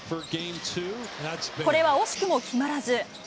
これは惜しくも決まらず。